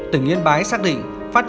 tỉnh yên bái xác định